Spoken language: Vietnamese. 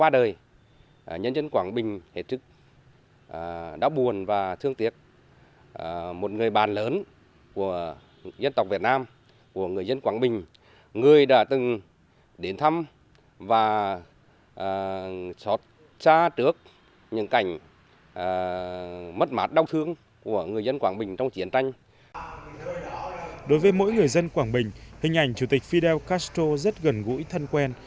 đối với mỗi người dân quảng bình hình ảnh chủ tịch fidel castro rất gần gũi thân quen